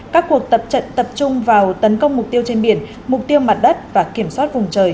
các cuộc tập trận tập trung vào tấn công mục tiêu trên biển mục tiêu mặt đất và kiểm soát vùng trời